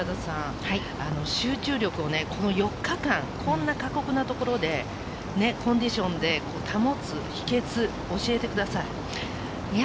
集中力を４日間、こんな過酷なところで、コンディションを保つ秘訣を教えてください。